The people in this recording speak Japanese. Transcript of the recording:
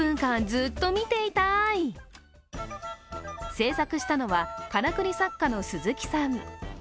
製作したのは、からくり作家の鈴木さん。